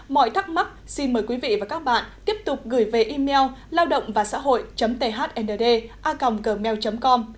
mọi thắc mắc xin mời quý vị và các bạn tiếp tục gửi về email lao độngvasahoi thnd a gmail com